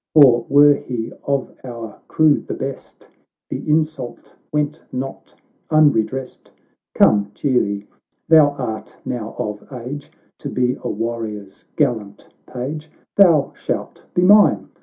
For, were he of our crew the best, The insult went not unredressed. Come, cheer thee ; thou art now of age To be a warrior's gallant page ; Thou shalt be mine